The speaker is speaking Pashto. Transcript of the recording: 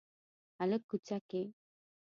هلک کوڅه کې